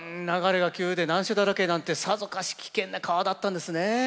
流れが急で難所だらけなんてさぞかし危険な川だったんですね。